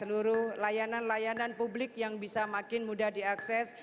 dan saya berharap kepada seluruh layanan layanan publik yang bisa makin mudah diakses